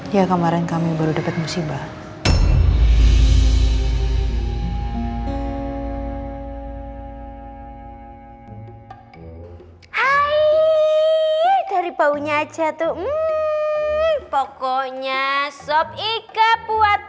ya kemarin kami baru dapet musibah